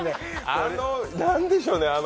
あの、何でしょうね